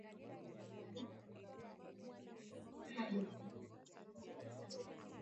Udhibiti hafifu wa minyoo hupelekea ugonjwa kutokea kwa ngombe